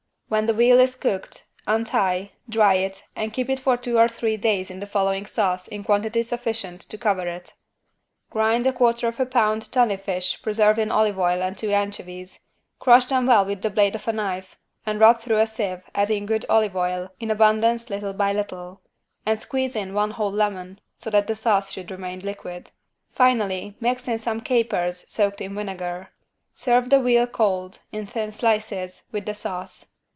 When the veal is cooked, untie, dry it and keep it for two or three days in the following sauce in quantity sufficient to cover it. Grind 1/4 pound tunny fish preserved in olive oil and two anchovies, crush them well with the blade of a knife and rub through a sieve adding good olive oil in abundance little by little, and squeeze in one whole lemon, so that the sauce should remain liquid. Finally mix in some capers soaked in vinegar. Serve the veal cold, in thin slices, with the sauce.